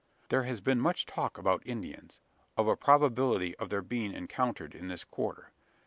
There has been much talk about Indians of a probability of their being encountered in this quarter.